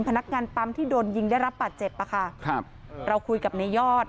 พนักงานปั๊มที่โดนยิงได้รับบาดเจ็บอ่ะค่ะครับเราคุยกับในยอด